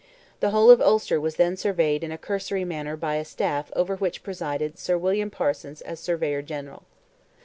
The whole of Ulster was then surveyed in a cursory manner by a staff over which presided Sir William Parsons as Surveyor General.